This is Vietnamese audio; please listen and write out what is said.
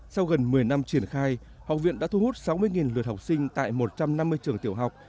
sau gần một mươi năm triển khai học viện đã thu hút sáu mươi lượt học sinh tại một trăm năm mươi trường tiểu học